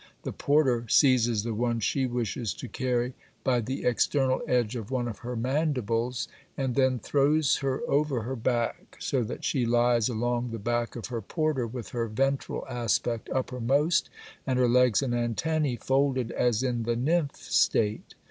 The porter seizes the one she wishes to carry by the external edge of one of her mandibles and then throws her over her back, so that she lies along the back of her porter with her ventral aspect uppermost and her legs and antennæ folded as in the nymph state.